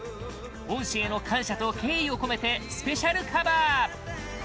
恩師への感謝と敬意を込めてスペシャルカバー！